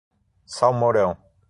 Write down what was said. Salmourão